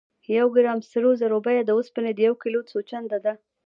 د یو ګرام سرو زرو بیه د اوسپنې د یو کیلو څو چنده ده.